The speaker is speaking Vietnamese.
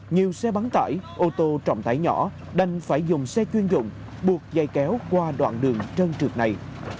nhiều xe bắn tải ô tô trọng tải nhỏ đành phải dùng xe chuyên dụng buộc dây kéo qua đoạn đường trơn trượt này